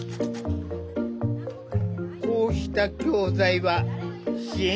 こうした教材は支援